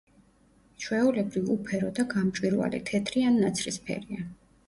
ჩვეულებრივ, უფერო და გამჭვირვალე, თეთრი ან ნაცრისფერია.